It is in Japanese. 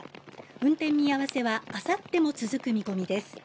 運転見合わせはあさっても続く見込みです。